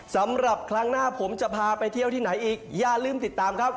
สำหรับครั้งหน้าผมจะพาไปเที่ยวที่ไหนอีกอย่าลืมติดตามครับ